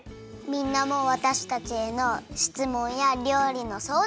みんなもわたしたちへのしつもんやりょうりのそうだん。